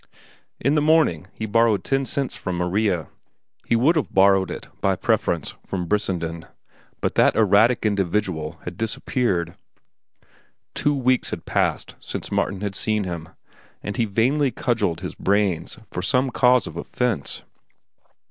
In the morning he borrowed ten cents from Maria. He would have borrowed it, by preference, from Brissenden, but that erratic individual had disappeared. Two weeks had passed since Martin had seen him, and he vainly cudgelled his brains for some cause of offence.